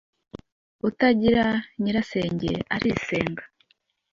Utagira nyirasenge arisenga.